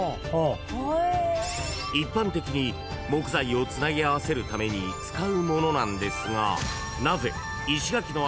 ［一般的に木材をつなぎ合わせるために使うものなんですが］